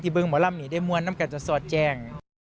ที่เบื้องหมอล่ำนี้ได้มวลน้ำกาจจะสดแจ้ง